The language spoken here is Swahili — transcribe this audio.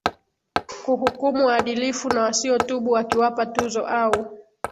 kuhukumu waadilifu na wasiotubu akiwapa tuzo au